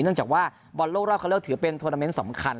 เนื่องจากว่าบอลโลกรอบคันเลือกถือเป็นทวรรมน์สำคัญ